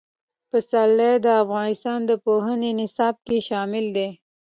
پسرلی د افغانستان د پوهنې نصاب کې شامل دي.